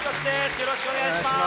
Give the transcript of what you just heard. よろしくお願いします。